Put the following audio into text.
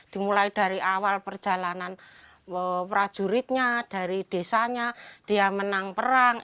dimulai dari awal perjalanan prajuritnya dari desanya dia menang perang